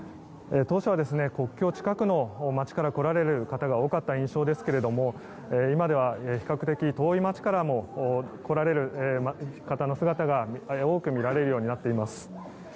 当初は国境近くの街から来られる方が多かった印象ですが今では比較的遠い街からも来られる方の姿が多く見られるようになっています。